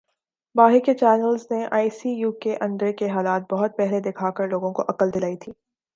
باہر کے چینلز نے آئی سی یو کے اندر کے حالات بہت پہلے دکھا کر لوگوں کو عقل دلائی تھی